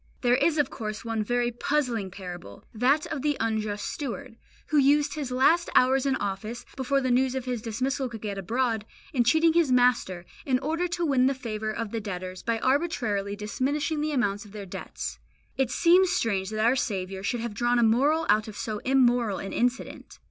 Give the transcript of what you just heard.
There is of course one very puzzling parable, that of the unjust steward, who used his last hours in office, before the news of his dismissal could get abroad, in cheating his master, in order to win the favour of the debtors by arbitrarily diminishing the amount of their debts. It seems strange that our Saviour should have drawn a moral out of so immoral an incident.